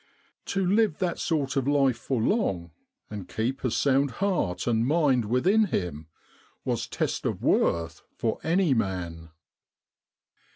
To live that sort of life for long, and keep a sound heart and mind within him, was test of worth for any man.